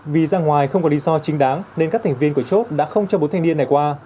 vì ra ngoài không có lý do chính đáng nên các thành viên của chốt đã không cho bốn thanh niên này qua